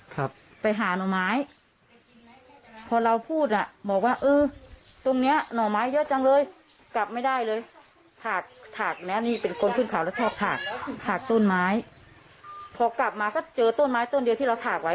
ถากต้นไม้พอกลับมาก็เจอต้นไม้ต้นเดียวที่เราถากไว้